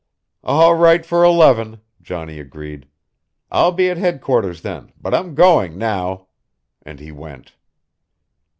"All right for eleven," Johnny agreed. "I'll be at head quarters then but I'm going now," and he went.